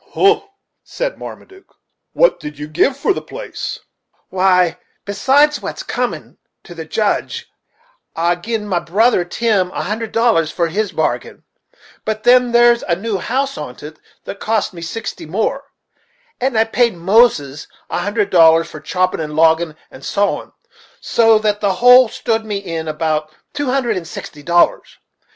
"Hum," said Marmaduke, "what did you give for the place?" "Why, besides what's comin' to the Judge, I gi'n my brother Tim a hundred dollars for his bargain; but then there's a new house on't, that cost me sixty more, and I paid Moses a hundred dollars for choppin', and loggin', and sowin', so that the whole stood to me in about two hundred and sixty dollars.